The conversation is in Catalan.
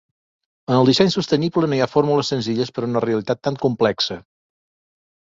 En el disseny sostenible no hi ha fórmules senzilles per a una realitat tan complexa.